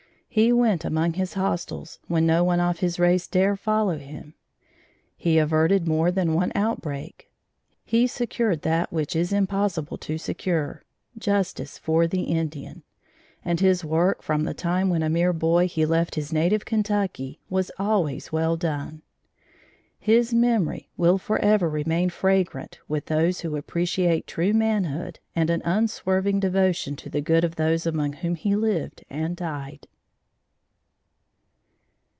He went among his hostiles when no one of his race dare follow him; he averted more than one outbreak; he secured that which is impossible to secure justice for the Indian and his work from the time when a mere boy he left his native Kentucky, was always well done. His memory will forever remain fragrant with those who appreciate true manhood and an unswerving devotion to the good of those among whom he lived and died.